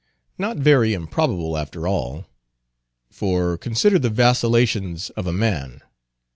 Not very improbable, after all. For consider the vacillations of a man.